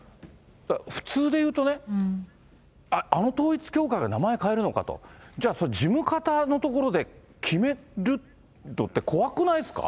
普通で言うとね、あの統一教会が名前変えるのかと、じゃあ、それ、事務方のところで決めるのって怖くないですか？